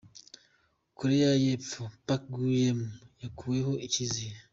Korea yepfo: Park Geun-hye yakuweko icizere.